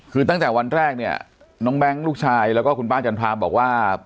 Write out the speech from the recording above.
คือตั้งแต่วันแรกเนี่ยน้องแบงค์ลูกชายแล้วก็คุณป้าจันทราบอกว่า